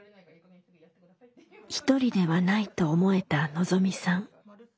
「ひとりではない」と思えたのぞみさん。